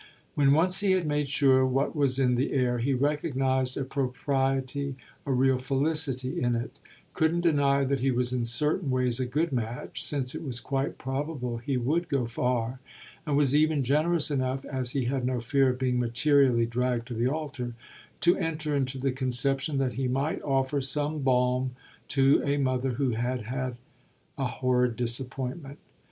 When once he had made sure what was in the air he recognised a propriety, a real felicity in it; couldn't deny that he was in certain ways a good match, since it was quite probable he would go far; and was even generous enough as he had no fear of being materially dragged to the altar to enter into the conception that he might offer some balm to a mother who had had a horrid disappointment.